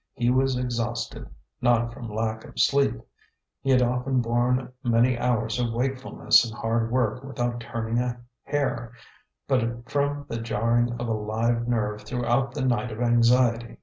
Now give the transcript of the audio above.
He was exhausted, not from lack of sleep he had often borne many hours of wakefulness and hard work without turning a hair but from the jarring of a live nerve throughout the night of anxiety.